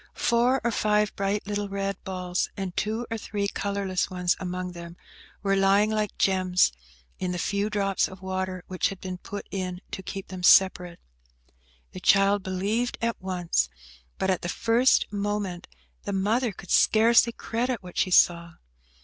Four or five bright little red balls, and two or three colourless ones among them, were lying like gems in the few drops of water which had been put in to keep them separate. The child believed at once, but at the first moment the mother could scarcely credit what she saw.